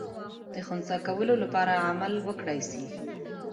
د خنثی کولو لپاره عمل وکړای سي.